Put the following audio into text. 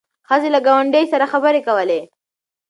ښځه له ګاونډۍ سره خبرې کولې.